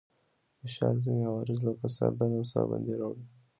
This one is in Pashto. فشار ځينې عوارض لکه سر درد او ساه بندي راوړي.